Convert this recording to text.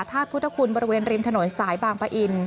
พุทธคุณบริเวณริมถนนสายบางปะอิน